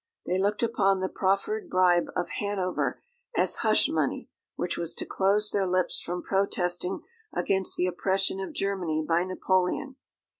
They looked upon the proffered bribe of Hanover as hush money, which was to close their lips from protesting against the oppression of Germany by Napoleon.